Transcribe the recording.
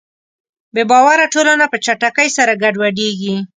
بېباوره ټولنه په چټکۍ سره ګډوډېږي.